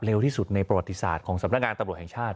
ที่สุดในประวัติศาสตร์ของสำนักงานตำรวจแห่งชาติ